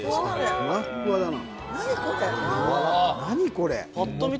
ふわっふわだな。